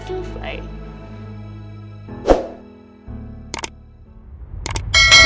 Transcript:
ibu bukan pembohong